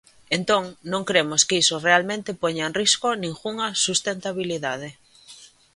Entón, non cremos que iso realmente poña en risco ningunha sustentabilidade.